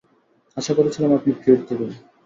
আশা করেছিলাম আপনি ট্রিট দিবেন।